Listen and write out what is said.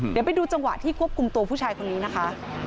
เดี๋ยวไปดูจังหวะที่ควบคุมตัวผู้ชายคนนี้นะคะ